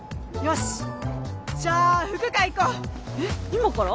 今から？